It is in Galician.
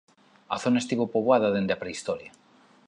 A zona estivo poboada dende a prehistoria.